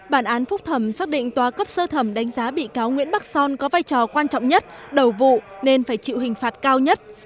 bản án phúc thẩm xác định tòa cấp sơ thẩm đánh giá bị cáo nguyễn bắc son có vai trò quan trọng nhất đầu vụ nên phải chịu hình phạt cao nhất